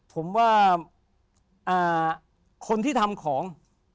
ผมว่าคนที่ทำของ